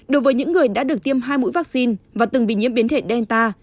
đối với những người đã được tiêm hai mũi vắc xin và từng bị nhiễm biến thể delta